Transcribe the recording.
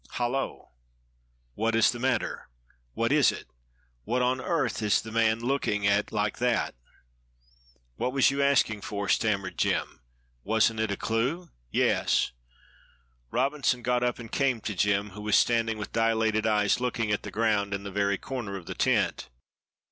Hallo, what is the matter! What is it? what on earth is the man looking at like that?" "What was you asking for?" stammered Jem. "Wasn't it a clew?" "Yes." Robinson got up and came to Jem, who was standing with dilated eyes looking at the ground in the very corner of the tent.